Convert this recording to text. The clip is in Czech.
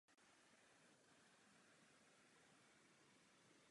Z těchto důvodů jsem hlasoval proti přijetí zprávy.